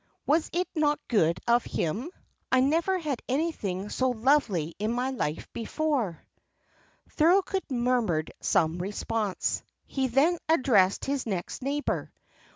Was it not good of him. I never had anything so lovely in my life before." Thorold murmured some response. Then he addressed his next neighbour.